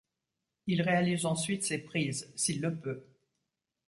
Il réalise ensuite ses prises, s'il le peut.